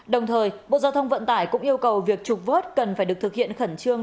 đồng thời bộ giao thông vận tải cũng yêu cầu việc trục vớt cần phải được thực hiện khẩn trương